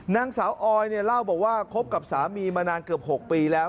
นางสาวออยเนี่ยเล่าบอกว่าคบกับสามีมานานเกือบ๖ปีแล้ว